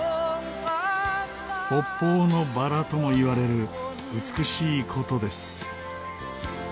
北方のバラともいわれる美しい古都です。